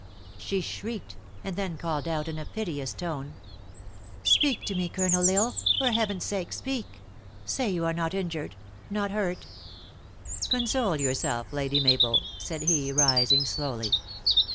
She shrieked, and then called out in a piteous tone: "Speak to me, Colonel L Isle. For Heaven s sake, speak. Say you are not injured not hurt." " Console yourself, Lady Mabel," said he, rising slowly.